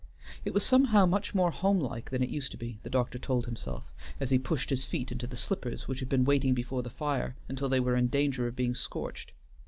It was somehow much more homelike than it used to be, the doctor told himself, as he pushed his feet into the slippers which had been waiting before the fire until they were in danger of being scorched.